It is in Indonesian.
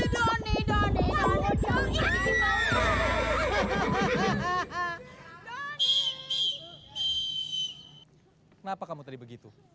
kenapa kamu tadi begitu